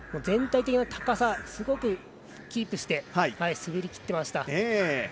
全体的に高さをすごくキープして滑りきっていました。